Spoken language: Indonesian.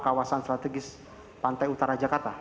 kawasan strategis pantai utara jakarta